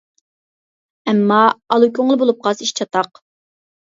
ئەمما ئالا كۆڭۈل بولۇپ قالسا، ئىش چاتاق.